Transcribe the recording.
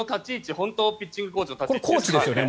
本当にピッチングコーチの立ち位置ですね。